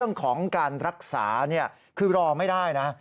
เรื่องของการรักษาคือรอไม่ได้นะ